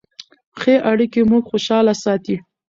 ښه اړیکې موږ خوشحاله ساتي.